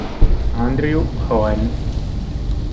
Andrew Cohen